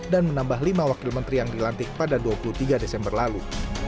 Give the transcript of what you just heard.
dan menambah lima wakil menteri yang dilantik pada dua puluh tiga desember lalu